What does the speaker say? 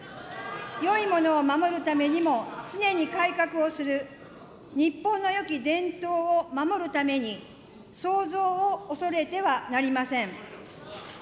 よいものを守るためにも常に改革をする、日本のよき伝統を守るために、創造を恐れてはなりません。